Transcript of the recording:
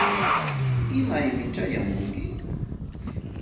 ¿imaymi chayamunki?